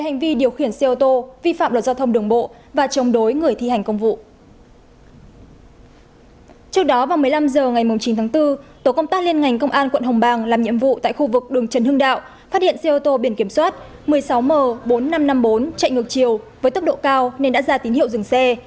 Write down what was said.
trước đó vào một mươi năm h ngày chín tháng bốn tổ công tác liên ngành công an quận hồng bàng làm nhiệm vụ tại khu vực đường trần hưng đạo phát hiện xe ô tô biển kiểm soát một mươi sáu m bốn nghìn năm trăm năm mươi bốn chạy ngược chiều với tốc độ cao nên đã ra tín hiệu dừng xe